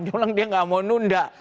dia tidak mau nunda